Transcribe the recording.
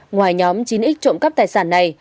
ngoài nhóm chín x trộm cấp tài sản này